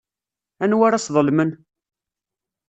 Anwa ara sḍelmen?